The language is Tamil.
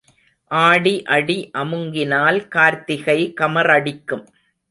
ஆடி அடி அமுங்கினால் கார்த்திகை கமறடிக்கும்.